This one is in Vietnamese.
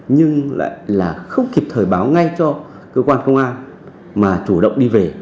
nhưng lại là không kịp thời báo ngay cho cơ quan công an mà chủ động đi về